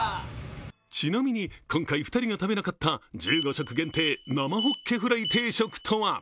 ちなみに今回、２人が食べなかった１５食限定、生ホッケフライ定食とは？